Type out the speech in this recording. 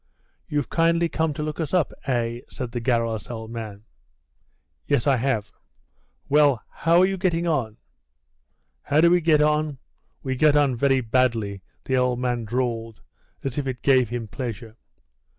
"You've kindly come to look us up, eh?" said the garrulous old man. "Yes, I have. Well, how are you getting on?" "How do we get on? We get on very badly," the old man drawled, as if it gave him pleasure.